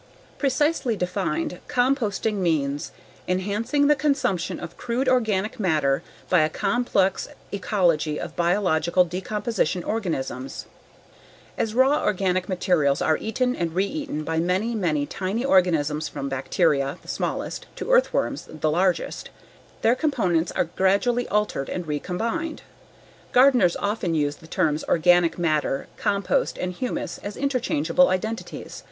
Precisely defined, composting means 'enhancing the consumption of crude organic matter by a complex ecology of biological decomposition organisms.' As raw organic materials are eaten and re eaten by many, many tiny organisms from bacteria (the smallest) to earthworms (the largest), their components are gradually altered and recombined. Gardeners often use the terms organic matter, compost, and humus as interchangeable identities.